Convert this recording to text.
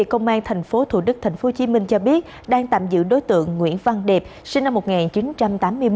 công an tp thủ đức tp hcm cho biết đang tạm giữ đối tượng nguyễn văn điệp sinh năm một nghìn chín trăm tám mươi một